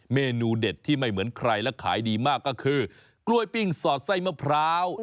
เมนูเด็ดที่ไม่เหมือนใครและขายดีมากก็คือกล้วยปิ้งสอดไส้มะพร้าว